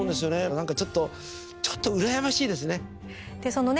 なんかちょっとちょっと羨ましいですね。